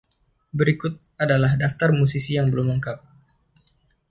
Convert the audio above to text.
Berikut adalah daftar musisi yang belum lengkap.